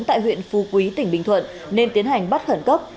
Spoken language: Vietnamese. tại huyện phu quý tỉnh bình thuận nên tiến hành bắt khẩn cấp